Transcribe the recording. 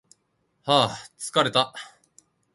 はー疲れた